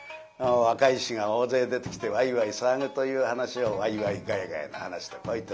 若い衆が大勢出てきてワイワイ騒ぐという噺をワイワイガヤガヤの噺とこう言ってました。